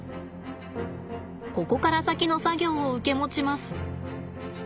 ここから先の作業を受け持ちます。